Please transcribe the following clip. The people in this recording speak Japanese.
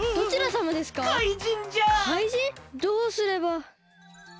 どうすれば。